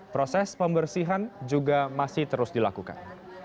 proses pembersihan juga masih terus dilakukan